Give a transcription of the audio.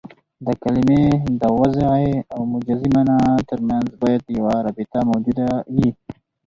د کلمې د وضعي او مجازي مانا ترمنځ باید یوه رابطه موجوده يي.